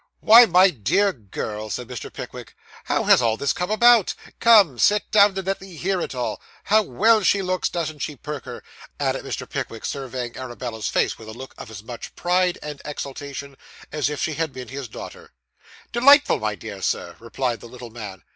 'Why, my dear girl,' said Mr. Pickwick, 'how has all this come about? Come! Sit down, and let me hear it all. How well she looks, doesn't she, Perker?' added Mr. Pickwick, surveying Arabella's face with a look of as much pride and exultation, as if she had been his daughter. 'Delightful, my dear Sir,' replied the little man.